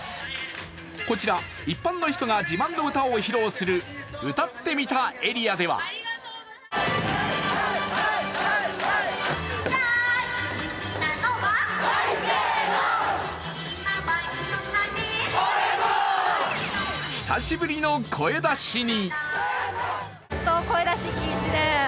こちら、一般の人が自慢の歌を披露する歌ってみたエリアでは久しぶりの声出しに。